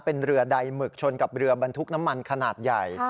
เป็นเรือใดหมึกชนกับเรือบรรทุกน้ำมันขนาดใหญ่